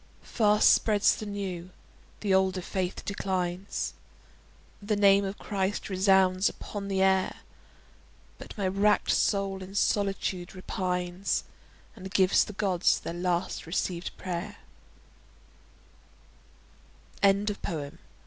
Fast spreads the new; the older faith declines. The name of Christ resounds upon the air. But my wrack'd soul in solitude repines And gives the Gods their last receivèd pray'r. Retrieved from "https://en.